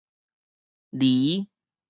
驢